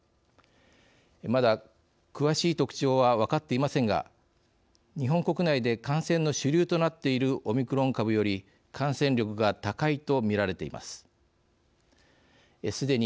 まだ詳しい特徴は分かっていませんが日本国内で感染の主流となっているオミクロン株より感染力が高いと見られています。